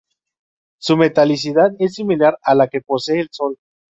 Su metalicidad es similar a la que posee el Sol.